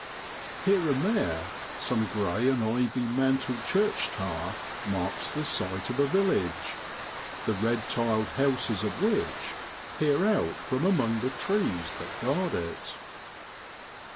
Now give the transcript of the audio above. Here and there some grey and ivy mantled church tower marks the site of a village, the red tiled houses of which peer out from among the trees that guard it.